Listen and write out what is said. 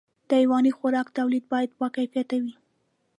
د حيواني خوراک توليد باید باکیفیته وي.